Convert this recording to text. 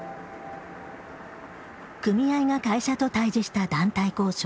組合が会社と対峙した団体交渉。